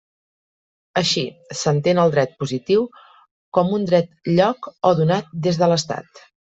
Així, s'entén el dret positiu com un dret lloc o donat des de l'Estat.